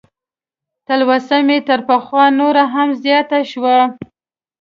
تلوسه مې تر پخوا نوره هم زیاته شوه.